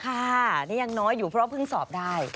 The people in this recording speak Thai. ค่ะนี่ยังน้อยอยู่เพราะเพิ่งสอบได้